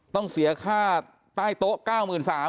ต้องเสียค่าใต้โต๊ะ๙๓๐๐